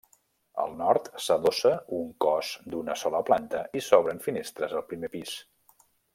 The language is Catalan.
Al nord s'adossa un cos d'una sola planta i s'obren finestres al primer pis.